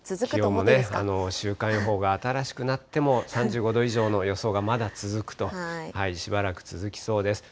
気温もね、週間予報が新しくなっても３５度以上の予想がまだ続くと、しばらく続きそうです。